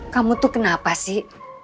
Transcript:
kamu tuh kenapa sih